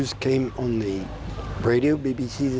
สันติภาพที่เกิดขึ้นเป็นอย่างไร